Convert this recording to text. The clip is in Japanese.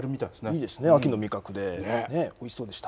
いいですね秋の味覚でおいしそうでした。